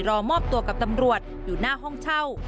รอมอบตัวกับตำรวจอยู่หน้าห้องเช่า